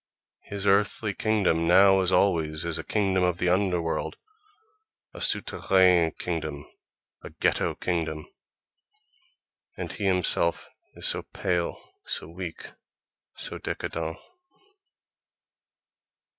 His earthly kingdom, now as always, is a kingdom of the underworld, a souterrain kingdom, a ghetto kingdom.... And he himself is so pale, so weak, so décadent....